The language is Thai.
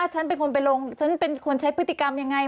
ฉันเป็นคนไปลงฉันเป็นคนใช้พฤติกรรมยังไง